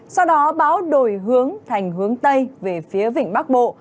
sau đó báo đổi hướng thành hướng tây về phía vịnh bắc bộ